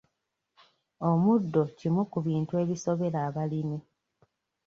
Omuddo kimu ku bintu ebisobera abalimi.